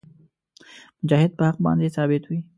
مجاهد په حق باندې ثابت وي.